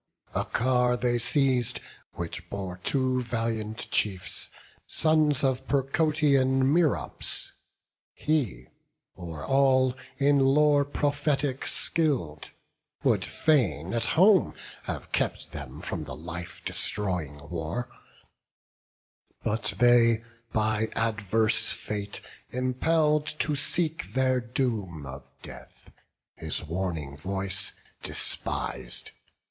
A car they seiz'd which bore two valiant chiefs, Sons of Percotian Merops; he, o'er all In lore prophetic skill'd, would fain at home Have kept them from the life destroying war: But they, by adverse fate impell'd to seek Their doom of death, his warning voice despis'd.